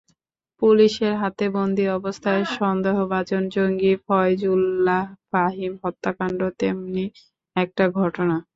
পুলিশের হাতে বন্দী অবস্থায় সন্দেহভাজন জঙ্গি ফয়জুল্লাহ ফাহিম হত্যাকাণ্ড তেমনি একটি ঘটনা।